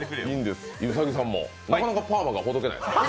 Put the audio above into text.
兎さんもなかなかパーマがほどけない？